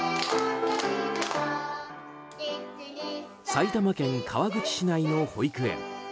埼玉県川口市内の保育園。